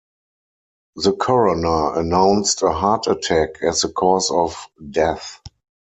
The coroner announced a heart attack as the cause of death.